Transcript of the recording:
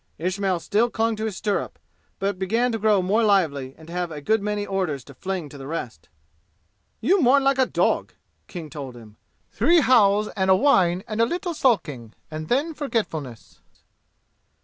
Ismail still clung to his stirrup, but began to grow more lively and to have a good many orders to fling to the rest. "You mourn like a dog," King told him. "Three howls and a whine and a little sulking and then forgetfulness!"